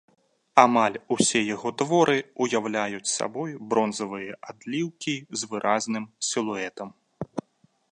Амаль усё яго творы ўяўляюць сабой бронзавыя адліўкі з выразным сілуэтам.